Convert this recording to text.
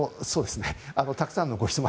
たくさんのご質問